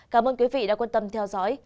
cảm ơn quý vị đã quan tâm theo dõi